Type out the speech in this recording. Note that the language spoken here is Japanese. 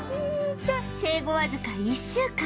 生後わずか１週間。